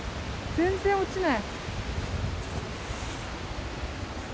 全然落ちない。